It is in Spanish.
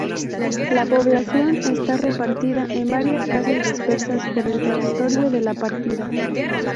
La población está repartida en varias casas dispersas por el territorio de la partida.